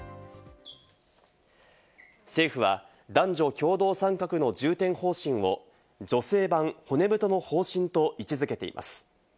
政府は男女共同参画の重点方針を女性版骨太の方針と位置付けています。